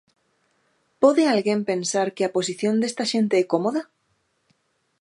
Pode alguén pensar que a posición desta xente é cómoda?